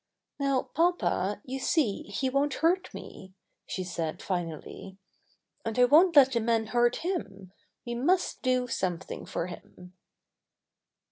^^Now, papa, you see he won't hurt me," she said finally, "and I won't let the men hurt him. We must do something for him."